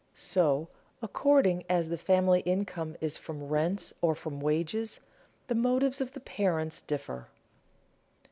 So, according as the family income is from rents or from wages, the motives of the parents differ.